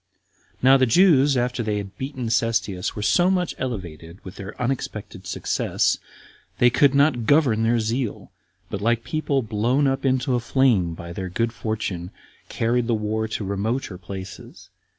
1. Now the Jews, after they had beaten Cestius, were so much elevated with their unexpected success, that they could not govern their zeal, but, like people blown up into a flame by their good fortune, carried the war to remoter places.